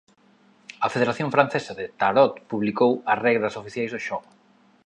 A Federación Francesa de Tarot publicou as regras oficiais do xogo.